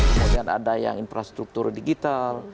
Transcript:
kemudian ada yang infrastruktur digital